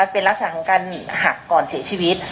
เป็นลักษณะของการหักก่อนเสียชีวิต